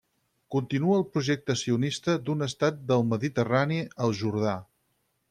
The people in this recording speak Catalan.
Continua el projecte sionista d'un estat del mediterrani al Jordà.